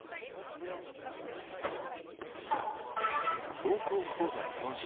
「高校講座日本史」。